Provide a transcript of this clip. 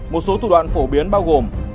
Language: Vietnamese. một số thủ đoạn phổ biến bao gồm